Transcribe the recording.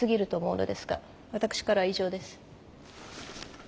私からは以上です。